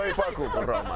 こらお前！